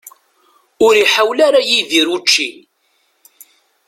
Ur iḥawel ara Yidir učči.